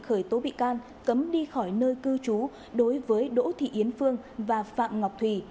khởi tố bị can cấm đi khỏi nơi cư trú đối với đỗ thị yến phương và phạm ngọc thùy